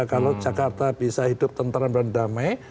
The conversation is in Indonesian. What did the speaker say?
kalau jakarta bisa hidup tenteran dan damai